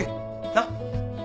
なっ。